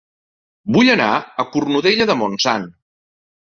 Vull anar a Cornudella de Montsant